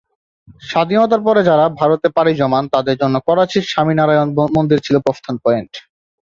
স্বাধীনতার পরে যারা ভারতে পাড়ি জমান তাদের জন্য করাচির স্বামীনারায়ণ মন্দির ছিল প্রস্থান পয়েন্ট।